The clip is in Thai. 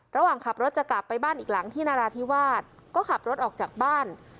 ระหว่างขับรถจะกลับไปบ้านอีกหลังที่นราธิวาสก็ขับรถออกจากบ้าน